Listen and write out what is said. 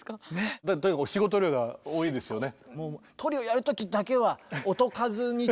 とにかく仕事量が多いですよね。